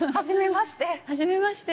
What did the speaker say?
はじめまして。